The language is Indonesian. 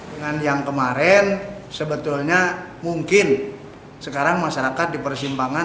dengan yang kemarin sebetulnya mungkin sekarang masyarakat di persimpangan